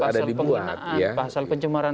ada dibuat pasal penghinaan pasal pencemaran